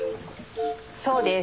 そうです。